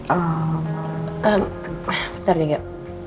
ehm bentar deh gak